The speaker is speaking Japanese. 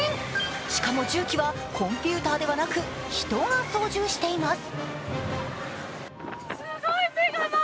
しかも重機はコンピューターではなく人が操縦しています。